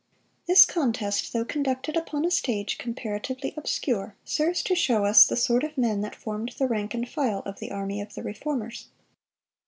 This contest, though conducted upon a stage comparatively obscure, serves to show us "the sort of men that formed the rank and file of the army of the Reformers.